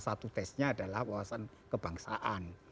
satu tesnya adalah wawasan kebangsaan